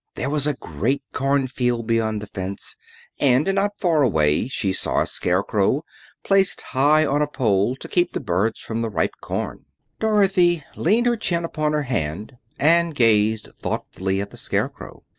There was a great cornfield beyond the fence, and not far away she saw a Scarecrow, placed high on a pole to keep the birds from the ripe corn. Dorothy leaned her chin upon her hand and gazed thoughtfully at the Scarecrow.